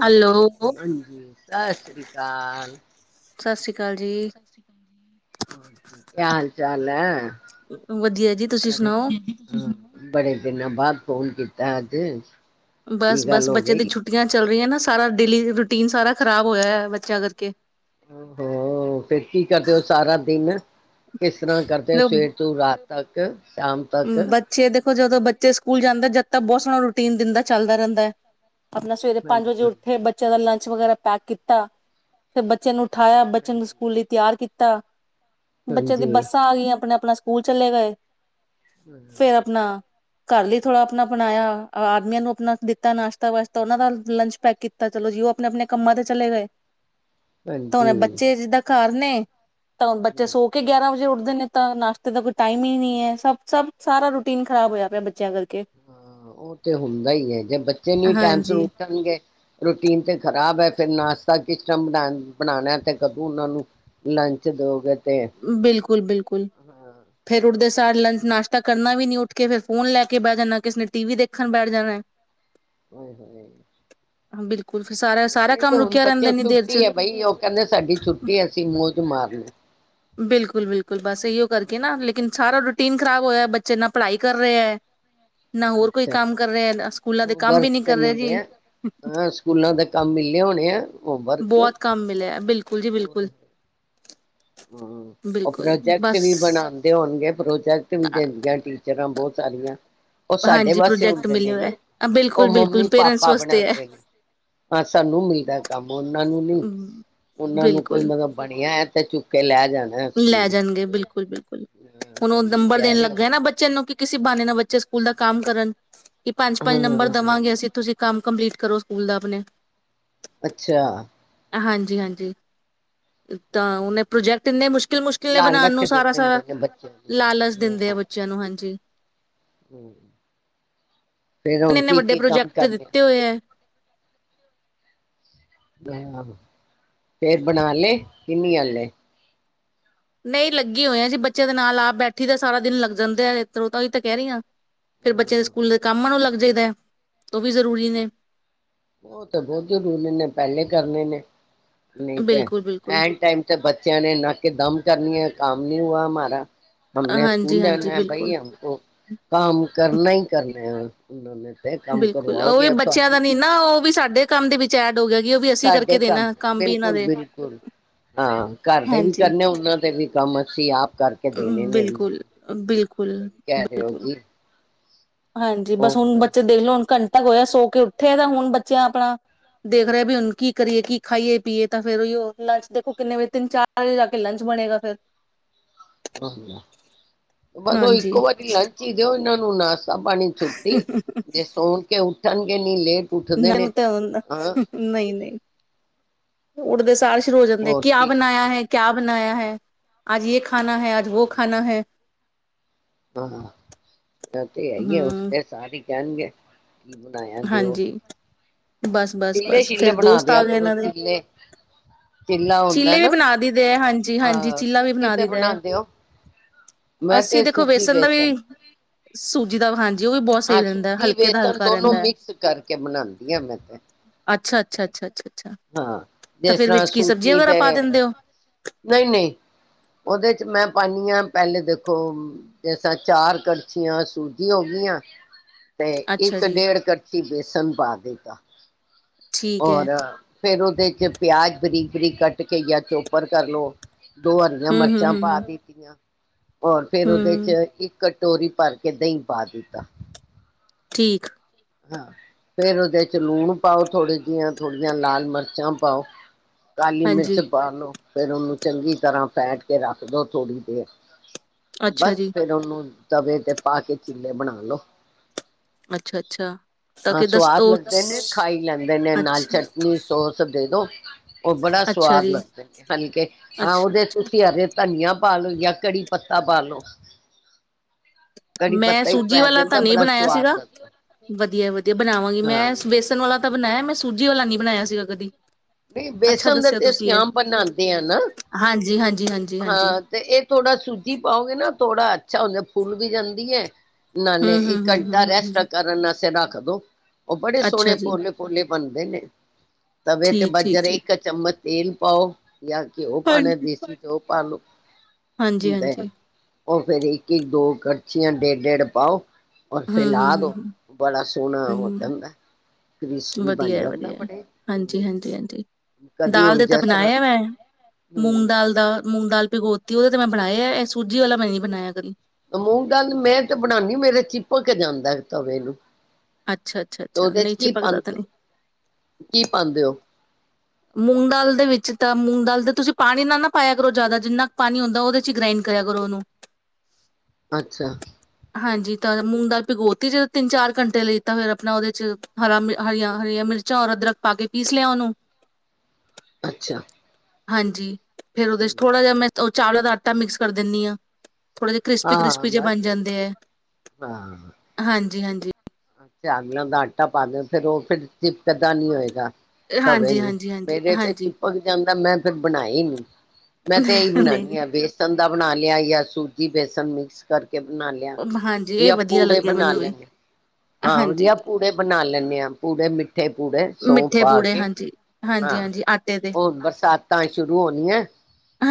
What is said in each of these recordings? Hello ਸਤਿ ਸ਼੍ਰੀ ਅਕਾਲ ਸਤਿ ਅਕਾਲ ਜੀ ਸਤਿ ਸ੍ਰੀ ਅਕਾਲ ਜੀ ਕਿਆ ਹਾਲ ਚਾਲ ਹੈ। ਵਧੀਆ ਜੀ ਤੁਸੀਂ ਬੜੇ ਸੁਣਾਓ ਹਾਂ, ਬੜੇ ਦਿਨਾਂ ਬਾਅਦ ਫੋਨ ਕੀਤਾ ਅੱਜ ਬਸ ਕੀ ਬਸ ਗੱਲ ਹੋ ਬੱਚੇ ਦੀ ਗਈ? ਛੁੱਟੀਆਂ ਚੱਲ ਰਹੀਆਂ ਨਾ ਸਾਰਾ ਡੇਲੀ ਰੂਟੀਨ ਸਾਰਾ ਖ਼ਰਾਬ ਹੋਇਆ ਹੈ ਬੱਚਿਆਂ ਕਰਕੇ ਹੋ ਫਿਰ ਕੀ ਕਰਦੇ ਹੋ ਸਾਰਾ ਦਿਨ? ਕਿਸ ਤਰ੍ਹਾਂ ਕਰਦੇ ਆ ਸਵੇਰ ਤੋਂ ਰਾਤ ਤੱਕ ਸ਼ਾਮ ਤਕ ਬੱਚੇ ਦੇਖੋ ਜਦੋਂ ਬੱਚੇ ਸਕੂਲ ਜਾਂਦੇ ਜਦ ਤਾਂ ਬਹੁਤ ਸੋਹਣਾ ਰੂਟੀਨ ਦਿੰਨ ਦਾ ਚੱਲਦਾ ਰਹਿੰਦਾ ਹੈ ਆਪਣਾ ਸਵੇਰੇ ਪੰਜ ਵਜੇ ਹਾਂਜੀ। ਉੱਠੇ ਬੱਚਿਆਂ ਦਾ ਲੰਚ ਵਗੈਰਾ ਪੈਕ ਕੀਤਾ ਫਿਰ ਬੱਚੇ ਨੂੰ ਉਠਾਇਆ ਬੱਚਿਆ ਨੂੰ ਸਕੂਲ ਲਈ ਤਿਆਰ ਕੀਤਾ ਕੀਤਾ ਬੱਚੇ ਦੀ ਹਾਂਜੀ, ਬੱਸਾਂ ਆ ਗਈਆਂ ਆਪਣੇ ਆਪਣਾ ਸਕੂਲ ਚਲੇੇ ਗਏ। ਫੇਰ ਆਪਣਾ ਘਰ ਲਈ ਥੋੜ੍ਹਾ ਆਪਣਾ ਬਣਾਇਆ, ਆਦਮੀਆਂ ਨੂੰ ਆਪਣਾ ਦਿੱਤਾ ਨਾਸ਼ਤਾ ਵਾਸ਼ਤਾ, ਉਹਨਾਂ ਦਾ ਲੰਚ ਪੈਕ ਕੀਤਾ, ਚਲੋ ਜੀ ਉਹ ਆਪਣੇ ਆਪਣੇ ਕੰਮਾਂ ਤੇ ਚਲੇ ਗਏ। ਤਾਂ ਹੁਣੇ ਹਾਂਜੀ। ਬੱਚੇ ਜਿੱਦਾਂ ਘਰ ਨੇ। ਤਾਂ ਹੁਣ ਬੱਚੇ ਹਾਂਜੀ। ਸੋ ਕੇ ਗਿਆਰਾਂ ਵਜੇ ਉੱਠ ਦਿਨੇ ਤਾਂ ਨਾਸ਼ਤੇ ਦਾ ਕੋਈ ਟਾਈਮ ਹੀ ਨਹੀ ਐ। ਸਭ ਸਭ, ਸਾਰਾ ਰੂਟੀਨ ਖਰਾਬ ਹੋਇਆ ਪਿਆ ਬੱਚਿਆਂ ਕਰ ਹਾਂ ਉਹ ਤੇ ਹੁੰਦਾ ਈ ਐ। ਜੇ ਬੱਚੇ ਨਹੀਂ ਟਾਈਮ ਸਿਰ ਹਾਂਜੀ ਉੱਠਣਗੇ ਰੂਟੀਨ ਤੇ ਖ਼ਰਾਬ ਐ। ਫਿਰ ਨਾਸ਼ਤਾ ਕਿਸ ਟਾਈਮ ਬਣਾ ਬਣਾਉਣਾ ਤੇ ਕਦੋਂ ਉਹਨਾਂ ਨੂੰ ਲੰਚ ਦਓਗੇ। ਬਿਲਕੁਲ ਬਿਲਕੁਲ ਫੇਰ ਉੱਠਦੇ ਸਾਰ ਲੰਚ ਨਾਸ਼ਤਾ ਕਰਨਾ ਵੀ ਨਹੀਂ ਉੱਠ ਕੇ ਫਿਰ ਫੋਨ ਲੈ ਕੇ ਬਹਿ ਜਾਣਾ। ਕਿਸੇ ਨੇ ਟੀ ਵੀ ਦੇਖਣ ਬੈਠ ਜਾਣਾ ਐ। ਓਏ ਹੋਏ। ਹਾਂ ਬਿਲ ਇਹ ਤੇ ਹੁਣ ਬੱਚੇ ਛੁੱਟੀ ਚ ਐ ਬਈ ਉਹ ਕਹਿੰਦੇ ਸਾਡੀ ਛੁੱਟੀ ਐ ਅਸੀ [unintelligible] ਮਾਰਲੇ। ਬਿਲਕੁਲ-ਬਿਲਕੁਲ ਬਸ ਇਹੀਓ ਕਰਕੇ ਨਾ। ਲੇਕਿਨ ਸਾਰਾ ਰੋਟ ਟੀਨ ਖ਼ਰਾਬ ਹੋਇਆ ਬੱਚੇ ਨਾ ਪੜ੍ਹਾਈ ਕਰ ਰਹੇ ਐ। ਅੱਛਾ ਕੰਮ ਵੀ ਹੋਮਵਰਕ ਨੀ ਤੇ ਕਰ ਰਹੇ ਜੀ ਮਿਲਿਆ, ਹਾਂ ਸਕੂਲਾਂ ਦੇ ਕੰਮ ਮਿਲੇ ਹੋਣੇ ਆ। ਹੋਮਵਰਕ ਬਹੁਤ ਕੰਮ ਮਿਲਿਆ ਐ। ਬਿਲਕੁਲ ਜੀ ਬਿਲਕੁਲ। ਹਾਂ ਉਹ ਬਿਲਕੁਲ ਪ੍ਰੋਜੈਕਟ ਬਸ ਵੀ ਬਣਾਉਦੇ ਹੋਣਗੇ। ਪ੍ਰੋਜੈਕਟ ਵੀ ਦਿੰਦੀਆਂ ਟੀਚਰਾਂ ਬਹੁਤ ਸਾਰੀਆਂ ਉਹ ਸਾਡੇ ਹਾਂਜੀ ਵਾਸਤੇ ਪ੍ਰੋਜੈਕਟ ਹੁੰਦੇ ਮਿਲਿਆ ਨੇ ਨਾ। ਹੋਇਆ ਬਿਲਕੁਲ ਉਹ ਬਿਲਕੁਲ ਮੰਮੀ ਪੇਰੈਂਟਸ ਪਾਪਾ ਵਾਸਤੇ ਹੈ ਬਣਾਉਂਦੇ ਨੇ। ਹਾਂ, ਸਾਨੂੰ ਮਿਲਦਾ ਐ ਕੰਮ ਉਹਨਾਂ ਉਹਨਾਂ ਨੂੰ ਕੋਈ ਬਿਲਕੁਲ ਮਤਲਬ ਬਣਿਆ ਐ ਤੇ ਚੁਪ ਲੈ ਜਾਣਗੇ। ਬਿਲਕੁਲ-ਬਿਲਕੁਲ ਹਾਂ ਹੁਣ ਉਹ ਸਹੀ ਨੰਬਰ ਕਹਿ ਦੇਣ ਰਹੇ ਲੱਗਾ ਹੋ, ਐ ਨਾ ਬੱਚੇ ਨੂੰ ਕਿ ਕਿਸੇ ਬਹਾਨੇ ਨਾਲ ਬੱਚੇ ਬੱਚੇ ਸਕੂਲ ਦਾ ਕੰਮ ਕਰਨ ਕਿ ਪੰਜ-ਪੰਜ ਨੰਬਰ ਹਾਂ। ਦੇਵਾਂਗੇ ਅਸੀਂ ਤੁਸੀਂ ਕੰਮ ਕੰਪਲੀਟ ਕਰੋ ਸਕੂਲ ਦਾ ਆਪਣੇ। ਅੱਛਾ। ਹਾਂਜੀ ਹਾਂਜੀ। ਤਾਂ ਉਹਨੇ ਪ੍ਰੋਜੈਕਟ ਇੰਨੇ ਮੁਸ਼ਕਿਲ ਮੁਸ਼ਕਿਲ ਨੇ ਬਣਾਉਣ ਲਾਲਚ ਨੂੰ ਦੇ ਸਾਰਾ ਸਾਰਾ ਦਿੰਦੇ ਨੇ ਬੱਚਿਆਂ ਨੂੰ। ਲਾਲਚ ਦਿੰਦੇ ਆ ਹਾਂ, ਬੱਚਿਆਂ ਨੂੰ ਹਾਂਜੀ। ਹੂੰ। ਫੇਰ ਹੁਣ ਇੰਨੇ ਵੱਡੇ ਕੀ-ਕੀ ਕੰਮ ਪ੍ਰੋਜੈਕਟ ਕਰਨੇ ਦਿੱਤੇ ਹੋਏ ਐ। [unintelligible] ਫੇਰ ਬਣਾ ਲਏ ਕਿ ਨਹੀਂ ਹਾਲੇ? ਨਹੀਂ ਲੱਗੀ ਹੋਈਆ ਜੀ ਬੱਚਿਆਂ ਦੇ ਨਾਲ ਆਪ ਬੈਠੀ ਤਾਂ ਸਾਰਾ ਦਿਨ ਲੱਗ ਜਾਂਦੇ ਆ ਤਰੋ ਤਾਂ ਹੀ ਤਾਂ ਕਹਿ ਰਹੀ ਹ ਫੇਰ ਬੱਚਿਆਂ ਹਾਂ। ਦੇ ਸਕੂਲ ਦੇ ਕੰਮ ਨੂੰ ਲੱਗ ਦੇਖ ਦੇ ਹਾ ਉਹ ਵੀ ਜ਼ਰੂਰੀ ਨੇ। ਉਹ ਤਾਂ ਬਹੁਤ ਜ਼ਰੂਰੀ ਨੇ ਪਹਿਲੇ ਕਰਨੇ ਨੇ। ਨਹੀਂ ਤੈ ਬਿਲਕੁਲ-ਬਿਲਕੁਲ ਐਨ ਟਾਈਮ ਤੇ ਬੱਚਿਆਂ ਨੇ ਨਾਕੇ ਦਮ ਕਰਨੀਆਂ ਕਾਮ- ਕਿਉ ਹਮਾਰਾ- ਹਮ ਨੇ ਸਕੂਲ ਹਾਂਜੀ-ਹਾਂਜੀ ਲਿਆਉਣਾ ਹੈ ਬਿਲਕੁਲ। ਬਾਈ ਹਮ ਕੋ ਕਾਮ ਕਰਨਾ ਹੀ ਕਰਨਾ ਉਹਨਾਂ ਨੇ ਤੇ ਕੰਮ ਕਰਵਾਓਗੇ ਅਬ ਤੁਹਾਡੀ- ਤਾਂ ਉਹ ਵੀ ਸਾਡੇ ਕੰਮ ਦੇ ਵਿੱਚ ਐਡ ਹੋ ਗਿਆ- ਕਿ ਉਹ ਵੀ ਅਸੀਂ ਕਰਕੇ ਸਾਡੇ ਕੰਮ ਦੇਣਾ ਵੀ ਇਹਨਾਂ ਬਿਲਕੁਲ ਦੇ ਬਿਲਕੁਲ, ਹਾਂ ਘਰ ਦੇ ਵੀ ਹਾਂਜੀ ਕਰਨੇ ਉਹਨਾਂ ਦੇ ਵੀ- ਕੰਮ ਅਸੀਂ ਆਪ ਕਰਕੇ ਦੇਣੇ ਨੇ ਉਹਨਾਂ ਬਿਲਕੁਲ ਨੂੰ ਬਿਲਕੁ। ਸਹੀ ਕਹਿ ਰਹੇ ਹੋ ਜੀ। ਹਾਂਜੀ ਬਸ ਹੁਣ ਬੱਚੇ ਹੋਰ ਦੇਖ ਲਓ ਹੁਣ ਘਣ- ਤ ਗ ਹੋਇਆ ਸੋ ਕੇ ਉੱਠੇ ਤਾਂ ਹੁਣ ਬੱਚਿਆਂ ਆਪਣਾ ਦੇਖ ਰਿਹਾ ਵੀ ਹੁਣ ਕੀ ਕਰੀਏ ਕੀ ਖਾਈਏ ਪੀਏ ਤਾਂ ਫੇਰ ਉ ਉਹ ਲੰਚ ਦੇਖੋ ਕਿੰਨੇ ਵਜੇ ਤਿੰਨ ਚਾਰ ਵਜੇ ਜਾ ਕੇ ਲੰਚ ਬਣੇਗਾ ਫਿਰ [inaudible] ਬਸ ਉਹ ਹਾਂਜੀ ਇੱਕੋ ਵਾਰੀ ਲੰਚ ਹੀ ਦੇਉ ਇਨੂੰ [unintelligible] ਚਾ ਪਾਣੀ ਛੁੱਟੀ ਜੇ ਸੋਨ ਕੇ ਉੱਠਣ- ਇਨੀ ਲੇਟ ਉੱਠਦੇ ਨੇ ਮੈਨੂੰ ਤਾਂ ਹੂੰਦਾ ਹਾਂ ਨਹੀਂ ਨਹੀਂ। ਉੱਡਦੇ ਸਾਰ ਹੀ ਸ਼ੁਰੂ ਹੋ ਜਾਂਦੇ ਹੋਰ ਕਿਆ ਕੀ ਬਣਾਇਆ ਹੈ, ਕਿਆ- ਬਣਾਇਆ ਹੈ। ਅਜ ਯੇ ਖ਼ਾਨਾ ਖਾਨਾ ਹੈ, ਆਜ ਵੋ ਖਾਣਾ ਹੈ। ਆਹਾ ਇਹ ਤੇ ਹੈ ਹੀ ਹੈ ਹਮ ਉਠਦੇ ਸਾਰ ਹੀ- ਕਹਿਣਗੇ- ਕੀ ਬਣਾਇਆ ਦਿਓ? ਹਾਂਜੀ ਬਸ ਬਸ ਚਿੱਲੇ ਬਸ ਸ਼ੀਲੇ ਫੇਰ ਬਣਾ ਦਿਆ ਕਰੋ ਚਿੱਲੇ। ਚਿੱਲਾ ਹੁੰਦਾ ਚਿੱਲੇ ਵੀ ਨਾ ਬਣਾ ਦਈ ਦੇ ਐ ਹਾਂਜੀ ਹਾਂਜੀ ਹਾਂ ਚਿੱਲਾ ਵੀ ਕਿਸੀ ਬਣਾ ਤੇ ਦਈ ਦਾ ਹੈ ਬਣਾਉਂਦੇ ਹੋ ਅਸੀਂ ਤੇ- ਵੇਸਣ ਦਾ ਵੀ- ਸੂਜੀ ਦਾ ਵਿ ਹਾਂ ਜੀ ਹਾਂ ਸੂਜੀ ਵੇਸਣ ਦੋਨੋ ਹੈ ਮਿਕਸ ਕਰਕੇ ਬਣਾਦੀ ਆਂ ਮੈਂ ਤੇ। ਅੱਛਾ ਅੱਛਾ ਅੱਛਾ ਅੱਛਾ ਅੱਛਾ ਤਾਂ ਫਿਰ ਵਿੱਚ ਕੀ ਸਬਜੀ ਜੀ ਤੇ ਨਹੀਂ-ਨਹੀਂ ਉਹਦੇ ਚ ਮੈਂ ਪਾਨੀ ਆ- ਪਹਿਲੇ ਦੇਖੋ, ਜੈਸਾ ਚਾਰ ਕੜਛੀਆਂ ਸੂਜੀ ਹੋ ਗਈਆਂ। ਤੇ ਅੱਛਾ ਇੱਕ ਜੀ ਡੇਢ ਕੜਛੀ ਬੇਸਣ ਪਾ ਦਿੱਤਾ। ਠੀਕ ਹੈ ਔਰ ਫੇਰ ਉਹਦੇ ਚ ਪਿਆਜ ਬਰੀਕ-ਬਰੀਕ ਕੱਟ ਕੇ ਯਾ ਚੋਪਰ ਕਰ ਲੋ। ਦੋ ਹਰੀਆਂ ਹਮ ਹਮ ਮਰਚਾਂ ਪਾ ਹਮ ਦਿਤੀਆਂ। ਹੋਰ ਫੇਰ ਉਹਦੇ ਚ ਹਮ ਇੱਕ ਕਰ ਟੋਰੀ ਭਰ ਕੇ ਦਹੀਂ ਪਾ ਦਿੱਤਾ। ਠੀਕ। ਹਾਂ ਫੇਰ ਉਹਦੇ ਚ ਲੂਣ ਪਾਓ, ਥੋੜ੍ਹੀ ਜਿਹੀਆਂ ਥੋੜ੍ਹੀਆਂ ਲਾਲ ਮਰਚਾਂ ਪਾਓ। ਕਾਲੀ ਮਿਰਚ ਹਾਂਜੀ ਪਾ ਲੋ। ਫੇਰ ਉਹਨੂੰ ਚੰਗੀ ਤਰ੍ਹਾਂ ਫੈਟ ਕੇ ਰੱਖ ਦੋ ਥੋੜ੍ਹੀ ਦੇਰ। ਅੱਛਾ ਬੱਸ ਜੀ ਫੇਰ ਉਹਨੂੰ ਤਵੇ ਤੇ ਪਾ ਕੇ ਚਿੱਲੇ ਬਣਾ ਲਓ। ਅੱਛਾ ਅੱਛਾ ਤਾਂ ਹਾਂ ਕਿ ਦਸ ਸਵਾਦ ਤੋਂ ਲੱਗਦੇ ਨੇ, ਖਾ ਈ ਲੈਂਦੇ ਨੇ, ਨਾਲ ਅੱਛਾ ਚਟਨੀ ਸੋਸ ਦੇ ਦੋ। ਉਹ ਬੜਾ ਅੱਛਾ ਸਵਾਦ ਜੀ, ਲੱਗਦੇ ਨੇ, ਹਲਕੇ ਹਾਂ ਉਹਦੇ ਅੱਛਾ-ਅੱਛਾ ਤੁਸੀ ਹਰੇ ਧਨੀਆ ਪਾ ਲੋ ਜਾਂ ਕੜ੍ਰੀ ਪੱਤਾ ਪਾ ਲੋ। ਕੜੀ ਮੈਂ ਪੱਤਾ ਹੀ ਸੂਜੀ ਪੈ ਵਾਲਾ ਤਾਂ ਜਾਂਦਾ ਨਹੀ ਬੜਾ ਬਨਾਈਆਂ ਸਵਾਦ ਸੀਗਾ। ਲੱਗਦਾ ਵਧੀਆ ਐ ਵਧੀਆ, ਬਨਾਵਾਂਗੀ ਹਾਂ। ਮੈਂ ਬੇਸਨ ਵਾਲਾ ਤਾਂ ਬਣਾਇਆ ਮੈਂ ਸੁਜੀ ਸੂਜੀ ਵਾਲਾ ਨੀ ਬਨਾਇਆ ਸੀਗਾ ਕਦੀ। ਬਈ ਅੱਛਾ ਬੇਸਣ ਦੇ ਦੱਸਿਆ ਤੇ ਤੁਸੀਂ ਅਸੀਂ ਇਹ ਆਮ ਬਨਾਦੇ ਆਂ ਨਾ। ਹਾਂਜੀ-ਹਾਂਜੀ-ਹਾਂਜੀ-ਹਾਂਜੀ ਹਾਂ ਤੇ ਇਹ ਥੋੜਾ ਸੂਜੀ ਪਾਓਗੇ ਨਾ ਥੋੜਾ ਅੱਛਾ ਹੁੰਦਾ, ਫੁਲ ਵੀ ਜਾਂਦੀ ਐ। ਨਾਨੇ ਇੱਕ ਅੰਟਾ ਹੈਸਟ ਹੂੰ-ਹੂੰ-ਹੂੰ-ਹੂੰ-ਹੂੰ-ਹੂੰ। ਕਰਨ ਆਸਤੇ ਰੱਖ ਕਦੋ ਉਹ ਬੜੇ ਸੋਹਣੇ ਅੱਛਾ ਜੀ ਪੋਲੇ-ਪੋਲੇ ਬਨਦੇ ਨੇ। ਤਵੇ ਤੇ ਬਸ ਜਰਾ ਠੀਕ-ਠੀਕ-ਠੀਕ ਇੱਕ ਚਮਚ ਤੇਲ ਪਾਓ। ਯਾ ਘਿਓ ਪਾਨਾ ਐ ਦੇਸੀ ਉਹ ਪਾ ਲੋ। ਹਾਂਜੀ -ਹਾਂਜੀ। ਓ ਫਿਰ ਇੱਕ -ਇੱਕ, ਦੋ ਕਰਛੀਆਂ ਡੇਢ- ਡੇਢ ਪਾਓ। ਔਰ ਫੈਲਾ ਦੋ, ਹੂੰ-ਹੂੰ-ਹੂੰ-ਹੂੰ ਬੜਾ ਸੋਹਣਾ ਹੋ ਜਾਂਦੈ। ਵਧੀਆ ਹੈ, ਵਧੀਆ ਹਾਂਜੀ -ਹਾਂਜੀ, ਹਾਂਜੀ ਕਦੀ ਦਾਲ ਹੁਣ ਦੇ ਤਾਂ ਜਿਸ ਤਰ੍ਹਾਂ ਬਣਾਏਆ ਮੈਂ ਮੂੰਗ ਹੂੰ ਦਾਲ ਦਾ ਮੂੰਗ ਦਾਲ ਪਿਗੋਤੀ, ਉਹਦੇ ਤੇ ਮੈਂ ਬਣਾਇਆ ਇਹ ਸੂਜੀ ਵਾਲਾ ਮੈਂ ਨੀ ਬਣਾਇਆ ਕਦੀ। ਮੂੰਹ ਦਾਲ ਮੈਂ ਤੇ ਬਣਾਉਦੀ ਮੇਰੇ ਚਿਪਕ ਜਾਂਦਾ ਤਵੇ ਨੂੰ ਤੇ ਅੱਛਾ-ਅੱਛਾ-ਅੱਛਾ ਉਹਦੇ ਚ ਨਹੀਂ ਕੀ ਚਿਪਕਦਾ ਤਾਂ ਨਹੀਂ ਪਾਂਦੇ, ਕੀ ਪਾਉਂਦੇ ਹੋ? ਮੂੰਗ ਦਾਲ ਦੇ ਵਿੱਚ ਤਾਂ, ਮੂੰਗ ਦਾਲ ਦੇ ਤੁਸੀਂ ਪਾਣੀ ਨਾ- ਨਾ ਪਾਇਆ ਕਰੋ ਜ਼ਿਆਦਾ, ਜਿੰਨਾ ਕੁ ਪਾਣੀ ਹੁੰਦਾ ਉਹਦੇ ਚ ਗ੍ਰਾਇੰਡ ਕਰਿਆ ਕਰੋ ਉਹਨੂੰ। ਅੱਛਾ। ਹਾਂਜੀ ਤਾਂ ਮੂੰਗ ਦਾਲ ਭਿਗੋਤੀ ਜਦੋਂ, ਤਿੰਨ ਚਾਰ ਘੰਟੇ ਲਈ ਤਾਂ ਫਿਰ ਆਪਣਾ ਉਹਦੇ 'ਚ ਹਰਾ ਮ ਹਰੀਆਂ -ਹਰੀਆਂ ਮਿਰਚਾਂ ਔਰ ਅਦਰਕ ਪਾ ਕੇ ਪੀਸ ਲਿਆ ਉਹਨੂੰ। ਅੱਛਾ। ਹਾਂਜੀ। ਫੇਰ ਉਹਦੇ ਚ ਥੋੜ੍ਹਾ ਜਹਾ ਮੈਂ ਉਹ ਚਾਵਲਾਂ ਦਾ ਆਟਾ ਮਿਕਸ ਕਰ ਦਿੰਨੀ ਹਾਂ ਥੋੜੇ ਜਹੇ ਕ੍ਰਿਸਪੀ ਹਾਂ ਕ੍ਰਿਸਪੀ ਜਹੇ ਬਨ ਬਸ ਜਾਂਦੇ ਹਾਂਜੀ ਹਾਂਜੀ। ਚਾਵਲਾਂ ਦਾ ਆਟਾ ਪਾ ਦਿਓ, ਫਿਰ ਉਹ ਫਿਰ ਚਿਪਕ ਦਾਂ ਨੀ ਹੋਏਗਾ। ਤਵੇ ਹਾਂਜੀ ਨੂੰ ਹਾਂਜੀ ਹਾਂਜੀ ਮੇਰੇ ਤੇ ਹਾਂਜੀ ਚਿਪਕ ਜਾਂਦਾ, ਮੈਂ ਫਿਰ ਬਣਾਈ ਨਹੀਂ ਮੈਂ ਤੇ ਇਹੀ ਨਹੀਂ ਬਣਾਉਨੀ ਆ ਬੇਸਨ ਦਾ ਬਣਾ ਲਿਆ ਯਾ, ਸੂਜੀ -ਬੇਸਨ ਮਿਕਸ ਕਰਕੇ ਕੇ ਬਣਾ ਲਿਆ ਨਹੀਂ ਹਾਂਜੀ ਇਹ ਜਾਂ ਵਧੀਆ ਪੂੜੇ ਲੱਗਿਆ ਬਣਾ ਮੈਨੂੰ ਵੀ ਲੈਣੇ ਹਾਂ ਵਧੀਆ ਹਾਂਜੀ ਪੂੜੇ ਬਣਾ ਲੈਂਦੇ ਹਾਂ, ਪੂੜੇ ਮਿੱਠੇ ਪੂੜੇ ਸੌਂਫ ਮਿੱਠੇ ਪਾ ਪੂੜੇ ਕੇ, ਹਾਂਜੀ ਹਾਂਜੀ ਹਾਂ ਹਾਂਜੀ ਆਟੇ ਦੇ ਹੋਰ ਬਰਸਾਤਾਂ ਸ਼ੁਰੂ ਹੋਣੀਆਂ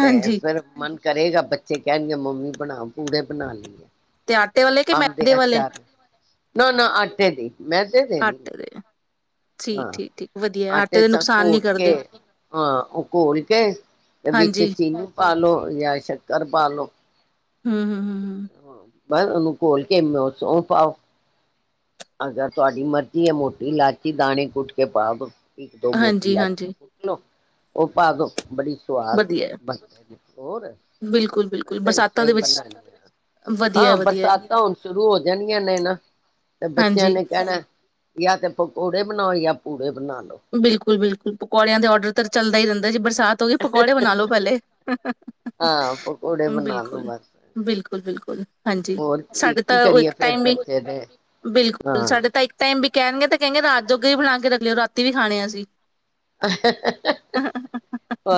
ਤੇ ਫਿਰ ਕਰੇਗਾ ਬੱਚੇ ਕਹਿਣਗੇ ਮੰਮੀ ਬਣਾ ਪੂੜੇ ਬਣਾ ਲਈਏ ਤੇ ਆਟੇ ਵਾਲੇ ਕਿ ਅੰਬ ਦੇ ਮੈਦੇ ਵਾਲੇ ਅਚਾਰ ਨਾ -ਨਾ ਅੱਟੇ ਦੇ ਮੇਦੇ ਦੇ ਨਹੀਂ? ਆਟੇ ਦੇ ਠੀਕ, ਹਾਂ ਠੀਕ, ਠੀਕ ਵਧੀਆ ਆਟੇ ਦੇ ਚ ਨੁਕਸਾਨ ਨੀ ਘੋਲ ਕੇ, ਕਰਦੇ ਹਾਂ ਉਹ ਘੋਲ ਕੇ, ਵਿੱਚ ਹਾਂਜੀ ਚੀਨੀ ਪਾਲੋ ਜਾਂ ਸ਼ੱਕਰ ਪਾਲੋ ਹਮ -ਹਮ- ਹਮ। ਹਾਂ [inaudible] ਬਸ ਉਹਨੂੰ ਘੋਲ ਕੇ, ਸੌਂਫ ਪਾਓ। ਅਗਰ ਤੁਹਾਡੀ ਮਰਜ਼ੀ ਆ ਮੋਟੀ ਇਲਾਚੀ ਦਾਣੇ ਕੁੱਟ ਕੇ ਪਾ ਦੋ ਇੱਕ ਦੋ ਮੋਟੀ ਹਾਂਜੀ, ਲਾਚੀ ਹਾਂਜੀ ਕੁੱਟ ਦੋ ਉਹ ਪਾਦੋ ਬੜੀ ਸਵਾਦ ਵਧੀਆ ਬਣਦੇ ਨੇ, ਹੋਰ ਬਿਲਕੁਲ, ਮੈਂ ਬਿਲਕੁਲ ਤਾਂ ਇਸ ਬਰਸਾਤਾਂ ਤਰ ਦੇ ਵਿੱਚ ਬ ਵਧੀਆ, ਹੈ, ਹਾਂ ਵਧੀਆ ਹੈ। ਬਰਸਾਤਾਂ ਹੁਣ ਸ਼ੁਰੂ ਹੋ ਜਾਣੀਆਂ ਨੇ ਨਾ ਬੱਚਿਆਂ ਹਾਂਜੀ ਨੇ ਕਹਿਣਾ ਜਾਂ ਤੇ ਪਕੌੜੇ ਬਣਾਓ ਜਾਂ ਪੂੜੇ ਬਣਾ ਲੋ ਬਿਲਕੁਲ -ਬਿਲਕੁਲ ਪਕੌੜਿਆਂ ਦੇ ਔਡਰ ਤਾਂ ਚੱਲਦਾ ਹੀ ਰਹਿੰਦਾ ਜੀ ਬਰਸਾਤ ਹੋ ਗਈ ਪਕੌੜੇ ਬਣਾ ਲੋ ਪਹਿਲੇ ਹਾਂ ਪਕੌੜੇ ਬਣਾ ਲੋ ਬਿਲਕੁਲ, ਬਸ ਬਿਲਕੁਲ, ਬਿਲਕੁਲ ਹਾਂਜੀ, ਹੋਰ ਕੀ ਸਾਡੇ ਕੀ ਤਾਂ ਕਰੀਏ ਇੱਕ ਫੇਰ ਟਾਈਮ ਵੀ ਬੱਚੇ ਦੇ ਬਿਲਕੁਲ ਹਾਂ ਸਾਡੇ ਤਾਂ ਇੱਕ ਟਾਈਮ ਵੀ ਕਹਿਣਗੇ ਤੇ ਕਹਿੰਗੇ ਰਾਤ ਜੋਗੇ ਵੀ ਬਣਾ ਕੇ ਰੱਖਿਓ ਰਾ ਤੀ ਵੀ ਖਾਣੇ ਅਸੀਂ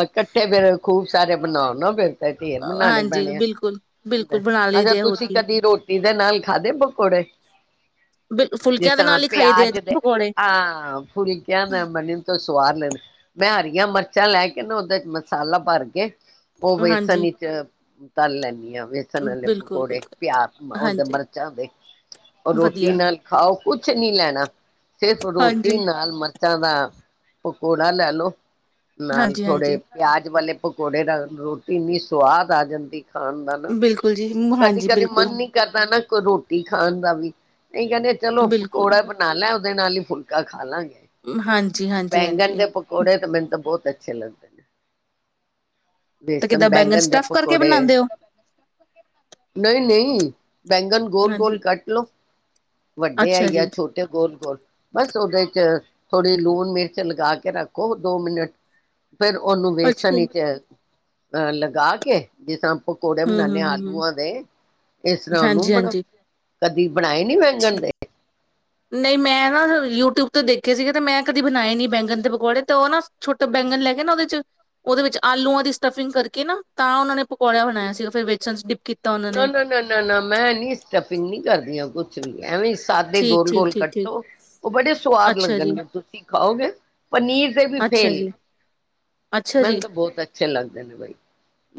ਇਕੱਠੇ ਫੇਰ ਖੂਬ ਸਾਰੇ ਬਣਾਓ ਨਾ ਫੇਰ ਢੇਰ ਮਨਾਣੇ ਹਾਂਜੀ ਪੈਣੇ ਆ ਬਿਲਕੁਲ, ਬਿਲਕੁਲ ਬਣਾ ਲਈ ਅਗਰ ਦੇ ਆ, ਹੋਰ ਤੁਸੀਂ ਕੀ ਕਦੀ ਰੋਟੀ ਦੇ ਨਾਲ ਖਾਦੇ ਪਕੌੜੇ ਬਿਲ ਜਿਸ ਫੁਲਕਿਆਂ ਦੇ ਤਰਾ ਨਾਲ ਹੀ ਖਾਈ ਆ ਜੀ ਪਿਆਜ ਦੇ ਪਕੌੜੇ ਹਾਂ ਫੁਲਕਿਆਂ ਦਾ ਬਣੀ ਤੁਸੀਂ ਬਾਹਰ ਲੈਣਾ ਮੈਂ ਹਰੀਆਂ ਮਿਰਚਾਂ ਲੈ ਕੇ ਨਾ ਉਹਦੇ ਚ ਮਸਾਲਾ ਭਰ ਕੇ ਉਹ ਹਾਂਜੀ ਵੇਸਨੀ ਚ ਤਲ ਲੈਂਨੀ ਆ ਬੇਸਣ ਵਾਲੇ ਬਿਲਕੁਲ ਪਕੌੜੇ ਬਿਲਕੁਲ ਪਿਆ ਉਹਦੇ ਹਾਂਜੀ ਮਿਰਚਾਂ ਦੇ ਉਹ ਰੋਟੀ ਵਧੀਆ ਨਾਲ ਖਾਓ ਕੁਛ ਕੀ ਲੈਣਾ। ਸਿਰਫ ਰੋਟੀ ਹਾਂਜੀ ਨਾਲ ਮ ਮਿਰਚਾ ਦਾ ਪਕੌੜਾ ਲੈਲੋ ਨਾਲ ਹਾਂਜੀ ਥੋੜੇ ਹਾਂਜੀ ਪਿਆਜ ਵਾਲੇ ਪਕੌੜੇ ਦਾ ਰੋਟੀ ਇੰਨੀ ਸਵਾਦ ਆ ਜਾਂਦੀ। ਖਾਣ ਦਾ ਨਾ ਬਿਲਕੁਲ ਜੀ ਕਦੀ ਹਾਂਜੀ ਕਦੇ ਬਿਲਕੁਲ ਮਨ ਨੀ ਕਰਦਾ ਨਾ ਕੋ ਰੋਟੀ ਖਾਣ ਦਾ ਵੀ ਨਹੀਂ ਕਹਿੰਦੇ ਚਲੋ ਬਿਲਕੁਲ ਪਕੌੜਾ ਬਣਾ ਲੈ ਦੇ ਨਾਲ ਹੀ ਫੁਲਕਾ ਖਾ ਲਾਂਗੇ। ਹਾਂਜੀ, ਹਾਂਜੀ ਬੈਂਗਣ ਹਾਂਜੀ ਦੇ ਪਕੌੜੇ ਤੇ ਮੈਨੂੰ ਤਾਂ ਬਹੁਤ ਚੱਲੋ, ਤਾਂ ਬੇਸਣ ਕਿੱਦਾਂ ਬੈਂਗਨ ਬੈਂਗਣ ਦੇ ਸਟਫ ਕਰਕੇ ਪਕੌੜੇ ਬਣਾਉਂਦੇ ਹੋ ਨਹੀਂ-ਨਹੀ, ਬੈਂਗਣ ਗੋਲ ਗੋਲ ਹਾਂਜੀ ਕੱਟ ਲੋੋ ਵੱਡੇ ਹੈ ਅੱਛਾ ਜਾਂ ਜੀ ਛੋਟੇ ਗੋਲ-ਗੋਲ, ਬਸ ਉਹਦੇ ਚ ਥੋੜੀ ਲੂਣ ਮਿਰਚ ਲਗਾ ਕੇ ਰੱਖੋ ਦੋ ਮਿੰਟ ਫਿਰ ਉਹਨੂੰ ਅੱਛਾ ਵੇਸਣ ਜੀ ਚ ਅਹ ਲਗਾ ਕੇ ਜਿਸ ਤਾਂ ਪਕੌੜੇ ਹੂੰ ਬਨਾਨੇ ਹੂੰ ਆ ਹੂੰ ਆਲੂਆਂ ਦੇ ਇਸ ਤਰ੍ਹਾਂ ਉਹਨੂੰ ਹਾਂਜੀ ਬਣਾ ਹਾਂਜੀ ਕਦੀ ਬਣਾਏ ਨੀ ਬੈਗਣ ਠੀਕ। ਦੇ ਨਹੀਂ ਮੈਂ ਨਾ ਯੂਟਿਊਬ ਤੇ ਦੇਖੇ ਸੀਗੇ ਤੇ ਮੈਂ ਕਦੀ ਬਣਾਏ ਨੀ ਬੈਂਗਣ ਦੇ ਪਕੌੜੇ ਤੇ ਉਹ ਨਾ ਛੋਟਾ ਬੈਂਗਨ ਲੈ ਕੇ ਨਾ ਉਹਦੇ ਚ ਉਹਦੇ ਵਿੱਚ ਆਲੂਆਂ ਦੀ ਸਟੱਫਿੰਗ ਕਰਕੇ ਨਾ ਤਾਂ ਉਹਨਾਂ ਨੇ ਪਕੌੜਾ ਬਣਾਇਆ ਸੀਗਾ ਫਿਰ ਵੇਸਣ ਚ ਡਿਪ ਕੀ ਨਾ- ਨਾ- ਨਾ- ਨਾ-ਨਾ ਮੈਂ ਨੀ ਸਟੱਫਿੰਗ ਨੀ ਕਰਦੀ ਹਾਂ ਕੁ ਐਵੇਂ ਸੀ। ਸਾਦੇ ਠੀਕ ਗੋਲ ਠੀਕ ਗੋਲ ਠੀਕ ਠੀਕ ਕੱਟੋ, ਉਹ ਬੜੇ ਸੁਵਾਦ ਅੱਛਾ ਜੀ, ਲੱਗਣਗੇ ਤੁਸੀਂ ਖਾਓਗੇ ਪਨੀਰ ਦੇ ਵੀ ਅੱਛਾ ਫੇਲ ਜੀ, ਅੱਛਾ ਮੈਨੂੰ ਜੀ, ਤਾਂ ਬਹੁਤ ਅੱਛੇ ਲੱਗਦੇ ਨੇ ਬਈ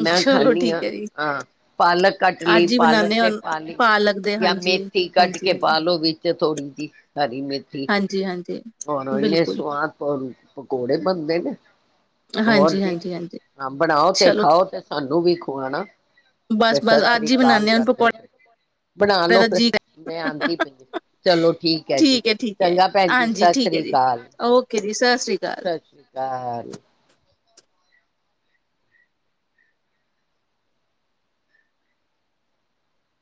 ਮੈਂ ਚਲੋ ਖਾਂਨੀ ਠੀਕ ਹਾਂ, ਹੈ ਜੀ। ਹਾਂ। ਪਾਲਕ ਕੱਟ ਲਈ ਅੱਜ ਹੀ ਪਾਲਕ ਬਣਾਨੇ ਆ ਤੇ ਪਾ ਲਈ ਪਾਲਕ ਦੇ ਜਾਂ ਹਾਂਜੀ, ਮੇਥੀ ਕੱਟ ਹਾਂਜੀ, ਕੇ ਪਾ ਹਾਂਜੀ, ਲੋੋ ਵਿੱਚ ਥੋੜ੍ਹੀ ਜਿਹੀ ਹਰੀ ਮੇਥੀ ਹਾਂਜੀ, ਹਾਂਜੀ। ਹੋਰ ਇਹਨੇ ਬਿਲਕੁਲ, ਸਵਾਦ ਪਕੌੜੇ ਬਣਦੇ ਨੇ। ਹੋਰ ਹਾਂਜੀ, ਜੀ ਹਾਂਜੀ, ਹਾਂਜੀ ਹਾਂ ਬਣਾਓ ਤੇ ਚਲੋ ਖਾਓ ਤੇ ਸਾਨੂੰ ਵੀ ਖੁਆਣਾ ਸਤਿ ਬਸ, ਬਸ ਅੱਜ ਸ੍ਰੀ ਹੀ ਅਕਾਲ ਬਣਾਨੇ ਆ ਹੁਣ ਕਰ ਪਕੌੜੇ ਬਣਾ ਲਓ ਦਾ ਫਿਰ ਜੀ ਮੈਂ ਆਉਂਦੀ ਪਈ, ਚਲੋ ਠੀਕ ਹੈ ਜੀ ਠੀਕ ਹੈ, ਚੰਗਾ ਭੈਣ ਜੀ ਹਾਂਜੀ ਸਸ ਠੀਕ ਹੈ ਰੀ ਜੀ। ਕਾਲ- ਓਕੇ ਜੀ, ਸਤਿ ਸ਼੍ਰੀ ਅਕਾਲ। ਸਸ ਰੀ ਕਾਲ। ਕਾਲ